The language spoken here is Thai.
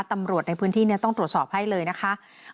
ตำรวจในพื้นที่ต้องตรวจสอบให้เลยนะคะ